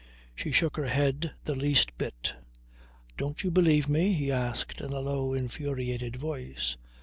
She shook her head the least bit. "Don't you believe me?" he asked in a low, infuriated voice.